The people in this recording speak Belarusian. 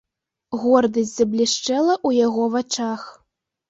Гордасць заблішчэла ў яго вачах.